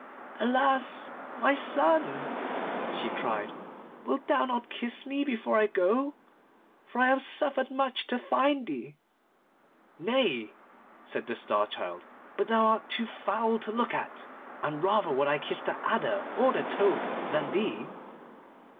'Alas! my son,' she cried, 'wilt thou not kiss me before I go? For I have suffered much to find thee.' 'Nay,' said the Star Child, 'but thou art too foul to look at, and rather would I kiss the adder or the toad than thee.